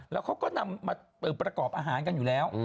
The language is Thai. แล้วเขาก็นำมาประกอบอาหารกันอยู่แล้ว